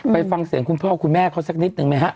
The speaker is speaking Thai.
ไปฟังเสียงคุณพ่อคุณแม่เขาสักนิดนึงไหมฮะ